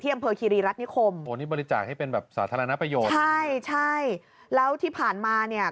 อำเภอคีรีรัฐนิคมโอ้นี่บริจาคให้เป็นแบบสาธารณประโยชน์ใช่ใช่แล้วที่ผ่านมาเนี่ย